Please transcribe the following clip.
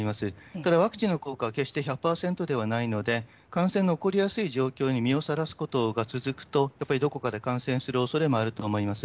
ただワクチンの効果は決して１００％ではないので、感染の起こりやすい状況に身をさらすことが続くと、やっぱりどこかで感染するおそれもあると思います。